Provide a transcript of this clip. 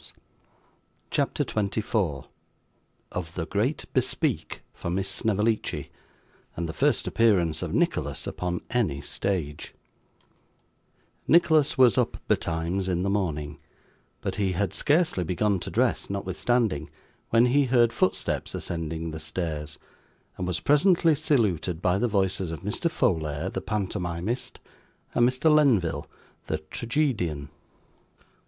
CHAPTER 24 Of the Great Bespeak for Miss Snevellicci, and the first Appearance of Nicholas upon any Stage Nicholas was up betimes in the morning; but he had scarcely begun to dress, notwithstanding, when he heard footsteps ascending the stairs, and was presently saluted by the voices of Mr. Folair the pantomimist, and Mr. Lenville, the tragedian.